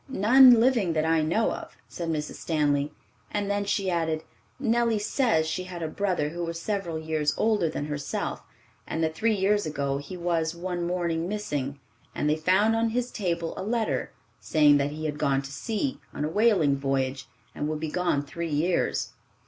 "None living that I know of," said Mrs. Stanley; and then she added, "Nellie says she had a brother who was several years older than herself, and that three years ago he was one morning missing, and they found on his table a letter, saying that he had gone to sea on a whaling voyage, and would be gone three years.